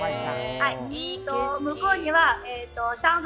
向こうには上海